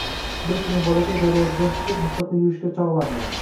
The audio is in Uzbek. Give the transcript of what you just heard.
Bir kuni bolakay darvozadan chiqib mustaqil yurishga chog’landi.